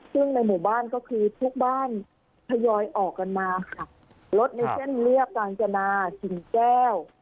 ซึ่งในหมู่บ้านก็คือทุกบ้านทยอยออกกันมาค่ะรถในเส้นเรียบกาญจนากิ่งแก้ว